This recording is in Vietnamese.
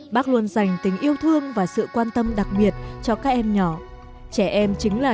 bác luôn dành tình yêu thương và sự quan tâm đặc biệt cho các em nhỏ